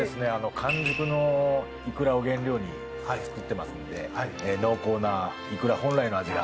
完熟のいくらを原料に作ってますんで濃厚ないくら本来の味が。